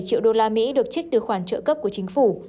năm triệu đô la mỹ được trích từ khoản trợ cấp của chính phủ